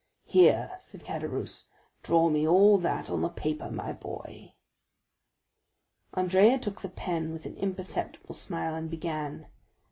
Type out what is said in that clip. "Here," said Caderousse, "draw me all that on the paper, my boy." Andrea took the pen with an imperceptible smile and began.